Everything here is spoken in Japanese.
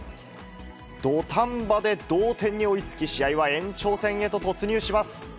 土壇場で同点に追いつき、試合は延長戦へと突入します。